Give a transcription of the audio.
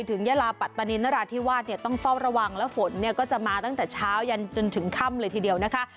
ยาลาปัตตานินนราธิวาสเนี่ยต้องเฝ้าระวังแล้วฝนเนี่ยก็จะมาตั้งแต่เช้ายันจนถึงค่ำเลยทีเดียวนะคะ